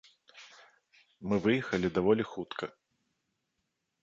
Мы выехалі даволі хутка.